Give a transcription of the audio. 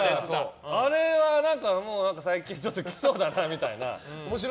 あれは最近ちょっと悲壮感漂うみたいな。